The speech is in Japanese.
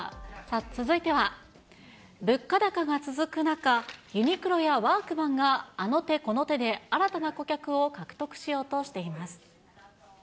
続いては、物価高が続く中、ユニクロやワークマンが、あの手この手で新たな顧客を獲得しようとしています。